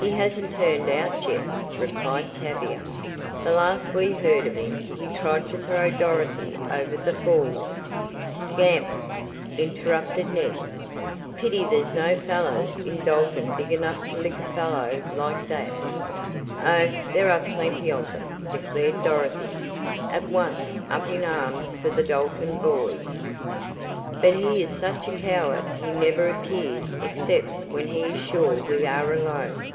"He hasn't turned out yet," replied Tavia. "The last we heard of him he tried to throw Dorothy over the falls " "Scamp," interrupted Ned. "Pity there's no fellows in Dalton big enough to lick a fellow like that." "Oh, there are plenty of them," declared Dorothy, at once up in arms for the Dalton boys. "But he is such a coward he never appears except when he is sure we are alone."